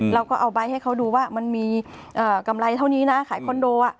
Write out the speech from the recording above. เราก็เอาใบให้เขาดูว่ามันมีกำไรเท่านี้นะขายคอนโด